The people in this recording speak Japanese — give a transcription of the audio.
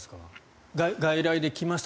外来で来ました。